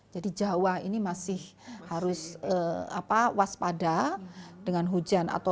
jadi jawa ini masih harus waspada dengan hujan